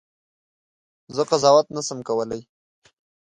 زه قضاوت نه سم کولای.